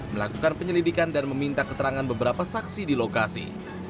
melakukan penyelidikan dan meminta keterangan beberapa saksi di lokasi